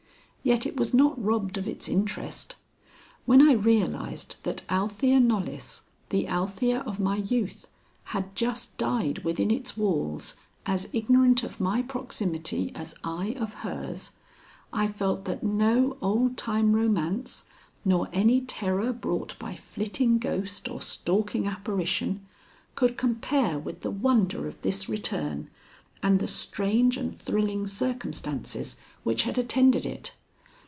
Yet it was not robbed of its interest. When I realized that Althea Knollys, the Althea of my youth, had just died within its walls as ignorant of my proximity as I of hers, I felt that no old time romance, nor any terror brought by flitting ghost or stalking apparition, could compare with the wonder of this return and the strange and thrilling circumstances which had attended it.